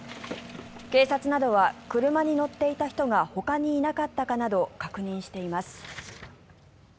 警察などは車に乗っていた人がほかにいなかったかなど確認しています。